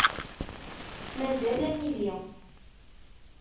Mazal ad nili.